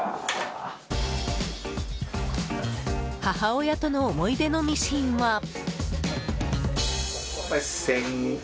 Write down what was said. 母親との思い出のミシンは。